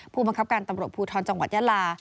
ผู้บังคับการตำรวจภูทรจังหวัดยาลา